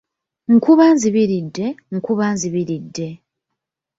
"Nkuba nzibiridde, nkuba nzibiridde."